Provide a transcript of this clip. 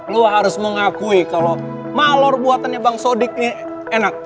lo harus mengakui kalau malor buatannya bang sodik ini enak